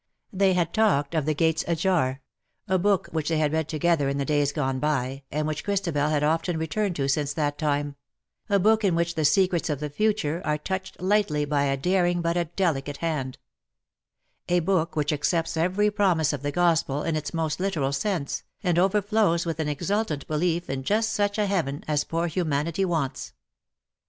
They had talked of " The Gates Ajar," a book which they had read together in the days gone by, and which Christabel had often returned to since that time — a book in which the secrets of the future are touched lightly by a daring but a delicate hand — a book which accepts every promise of the Gospel in its most literal sense, and overflows with an exultant belief in just such a Heaven as poor humanity wants.